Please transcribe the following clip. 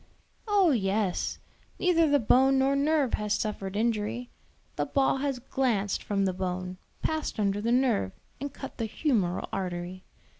"Oh yes; neither the bone nor nerve has suffered injury; the ball has glanced from the bone, passed under the nerve, and cut the humeral artery.